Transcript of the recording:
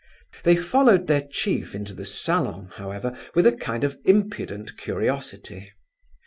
They followed their chief into the salon, however, with a kind of impudent curiosity.